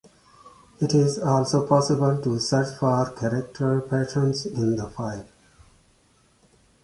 It is also possible to search for character patterns in the file.